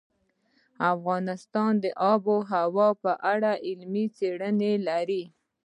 افغانستان د آب وهوا په اړه علمي څېړنې لري.